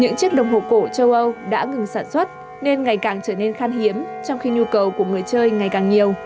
những chiếc đồng hộp cổ châu âu đã ngừng sản xuất nên ngày càng trở nên khan hiếm trong khi nhu cầu của người chơi ngày càng nhiều